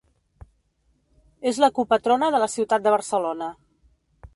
És la copatrona de la ciutat de Barcelona.